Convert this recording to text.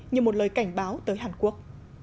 như một lời cảnh báo tới hàn quốc